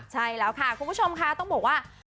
ใช่แล้วค่ะคุณผู้ชมค่ะต้องบอกว่า